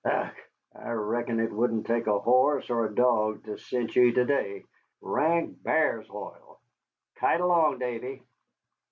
"Ugh, I reckon it wouldn't take a horse or a dog to scent ye to day. Rank b'ar's oil! Kite along, Davy."